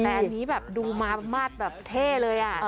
แฟนนี้แบบดูมามาทแบบเท่เลยอ่ะ